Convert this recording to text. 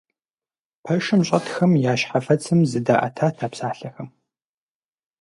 Пэшым щӀэтхэм я щхьэфэцым зыдаӀэтат а псалъэхэм.